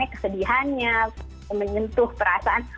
menurut saya dan kayaknya masih ada